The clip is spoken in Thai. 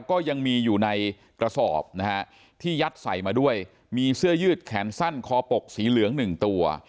ก็ยังมีอยู่ในกระสอบนะฮะที่ยัดใส่มาด้วยมีเสื้อยืดแขนสั้นคอปกสีเหลืองหนึ่งตัว